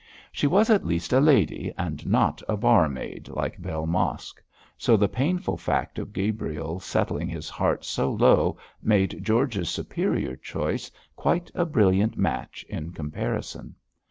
She was at least a lady, and not a barmaid like Bell Mosk; so the painful fact of Gabriel setting his heart so low made George's superior choice quite a brilliant match in comparison.